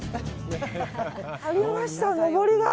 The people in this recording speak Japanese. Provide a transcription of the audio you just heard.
ありました、のぼりが。